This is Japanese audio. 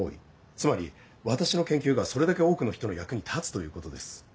つまり私の研究がそれだけ多くの人の役に立つということです。